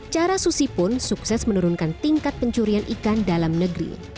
cara susi pun sukses menurunkan tingkat pencurian ikan dalam negeri